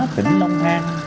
tỉnh long an